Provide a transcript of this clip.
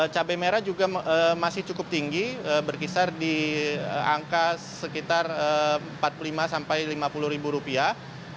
cabai merah juga masih cukup tinggi berkisar di angka sekitar empat puluh lima sampai lima puluh ribu rupiah